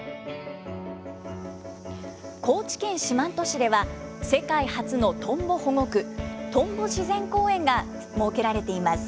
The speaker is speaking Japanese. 高知県四万十市では、世界初のトンボ保護区、トンボ自然公園が設けられています。